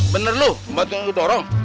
bener lu ngebantuin dorong